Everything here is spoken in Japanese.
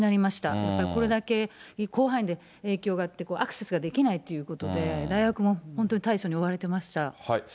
やっぱりこれだけ、広範囲に影響があって、アクセスができないってことで、大学も本当に対処に追われてました。